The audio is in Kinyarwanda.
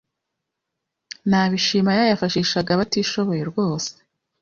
Nabishima Yayafashishaga Abatishoboye rwose